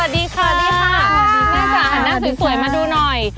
สวัสดีค่ะหน้าสวยมาดูหน่อย